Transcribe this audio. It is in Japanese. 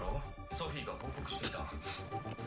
ソフィが報告してきた。